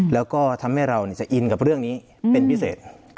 แล้วก็ทำให้เราจะอินกับเรื่องนี้เป็นพิเศษ